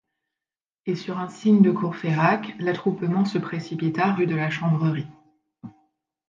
Et sur un signe de Courfeyrac, l’attroupement se précipita rue de la Chanvrerie.